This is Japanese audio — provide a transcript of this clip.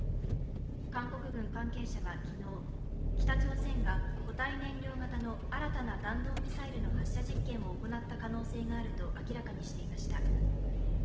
韓国軍関係者は昨日、北朝鮮が固体燃料型の新たな弾道ミサイルの発射実験を行った可能性があると明らかにしていました。